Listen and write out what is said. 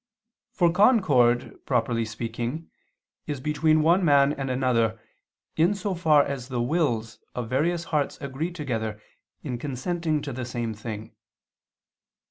For concord, properly speaking, is between one man and another, in so far as the wills of various hearts agree together in consenting to the same thing.